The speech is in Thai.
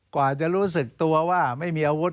กว่าจะรู้สึกตัวว่าไม่มีอาวุธ